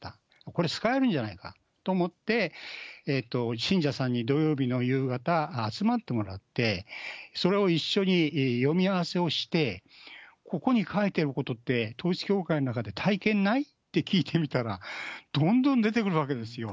これ使えるんじゃないかと思って、信者さんに土曜日の夕方、集まってもらって、それを一緒に読み合わせをして、ここに書いてることって統一教会の中で体験ない？って聞いてみたら、どんどん出てくるわけですよ。